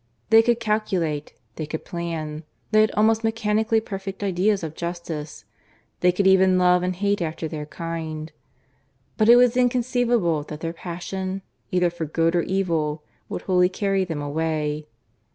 They could calculate, they could plan, they had almost mechanically perfect ideas of justice; they could even love and hate after their kind. But it was inconceivable that their passion, either for good or evil, could wholly carry them away.